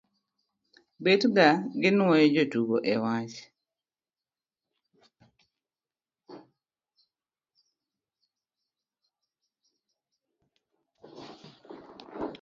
betga gi nuoyo jotugo e wach?